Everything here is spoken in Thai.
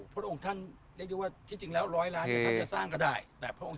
พระองค์ท่านเรียกได้ว่าที่จริงแล้ว๑๐๐ล้านจะสร้างก็ได้